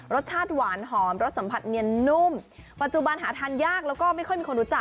รสชาติหวานหอมรสสัมผัสเนียนนุ่มปัจจุบันหาทานยากแล้วก็ไม่ค่อยมีคนรู้จัก